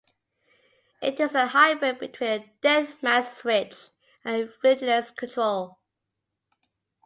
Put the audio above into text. It is a hybrid between a dead-man's switch and a vigilance control.